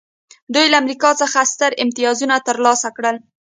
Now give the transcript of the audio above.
دوی له امریکا څخه ستر امتیازونه ترلاسه کړل